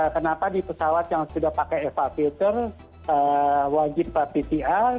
kenapa di pesawat yang sudah pakai eva filter wajib pcr